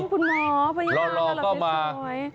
คุณหมอไปอย่างนั้นสวย